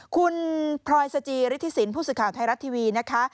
คุณพรอยสจิริฐศิลป์ผู้สิทธิ์ข่าวไทยรัตน์ทีวีนะคะ